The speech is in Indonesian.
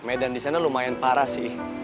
dan kedua medan disana lumayan parah sih